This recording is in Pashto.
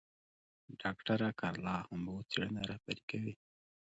ډاکټره کارلا هومبو څېړنه رهبري کوي.